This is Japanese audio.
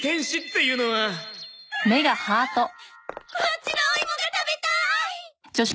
こっちのお芋が食べたい！